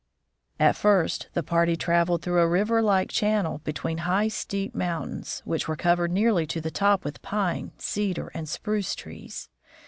At first the party traveled through a river like channel between high, steep mountains, which were covered nearly to the top with pine, cedar, and spruce trees.